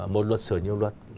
một luật sửa nhiều luật